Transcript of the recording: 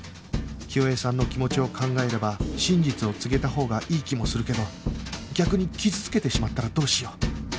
清江さんの気持ちを考えれば真実を告げたほうがいい気もするけど逆に傷つけてしまったらどうしよう？